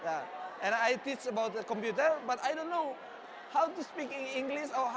dan tapi jadi saya memutuskan untuk belajar bahasa inggris